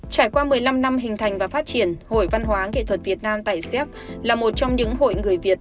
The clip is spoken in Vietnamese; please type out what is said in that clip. trải qua một mươi năm năm hình thành và phát triển hội văn hóa nghệ thuật việt nam tại xéc là một trong những hội người việt